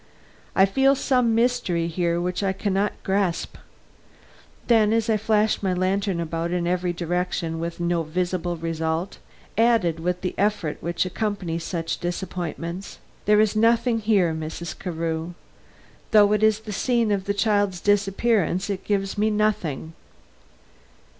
"I feel some mystery here which I can not grasp." Then as I flashed my lantern about in every direction with no visible result, added with the effort which accompanies such disappointments: "There is nothing here, Mrs. Carew. Though it is the scene of the child's disappearance it gives me nothing."